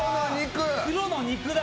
黒の肉だ。